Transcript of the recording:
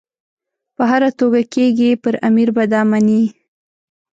په هره توګه کېږي پر امیر به دا مني.